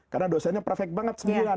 karena dosennya perfect banget sembilan